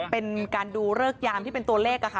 เป็นการดูเริกยามที่เป็นตัวเลขค่ะ